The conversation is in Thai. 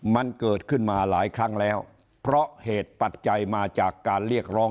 มันเกิดขึ้นมาหลายครั้งแล้วเพราะเหตุปัจจัยมาจากการเรียกร้อง